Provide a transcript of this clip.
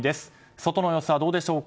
外の様子はどうでしょう。